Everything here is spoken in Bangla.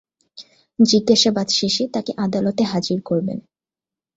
জিজ্ঞাসাবাদ শেষে তাকে আদালতে হাজির করবেন।